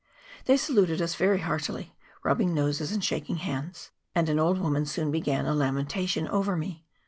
They saluted us very heartily, rubbing noses and shaking hands ; and an old woman soon began a lamentation over me.